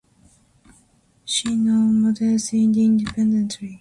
She now models independently.